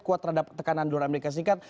kuat terhadap tekanan dolar amerika serikat